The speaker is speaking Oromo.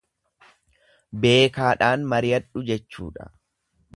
Beekaadhaan mariyadhu jechuudha.